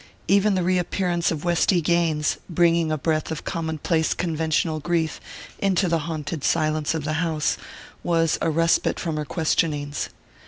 Even the reappearance of Westy Gaines, bringing a breath of common place conventional grief into the haunted silence of the house, was a respite from her questionings.